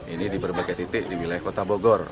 ini di berbagai titik di wilayah kota bogor